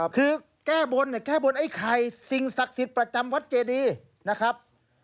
คือแก้บนเนี่ยแก้บนไอ้ไข่สิ่งศักดิ์สิทธิ์ประจำวัดเจดีนะครับ